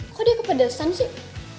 kok dia kepedesan sih